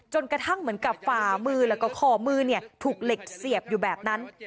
จนกระทั่งเหมือนกับฝ่ามือแล้วก็คอมือถูกเหล็กเสียบอยู่แบบนั้น